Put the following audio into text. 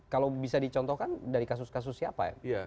kalau bisa dicontohkan dari kasus kasus siapa ya